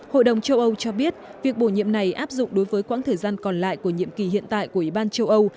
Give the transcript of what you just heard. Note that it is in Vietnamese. hội đồng châu âu cho biết việc bổ nhiệm này áp dụng đối với quãng thời gian còn lại của nhiệm kỳ hiện tại của ủy ban châu âu